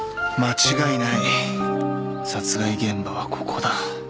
殺害現場はここだ。